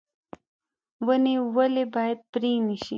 ونې ولې باید پرې نشي؟